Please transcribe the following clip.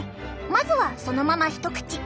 まずはそのまま一口。